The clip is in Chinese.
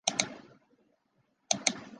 可能使用汉藏语系或南亚语系。